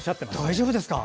大丈夫ですか？